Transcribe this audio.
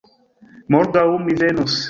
Morgaŭ mi venos.